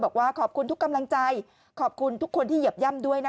บอกว่าขอบคุณทุกกำลังใจขอบคุณทุกคนที่เหยียบย่ำด้วยนะคะ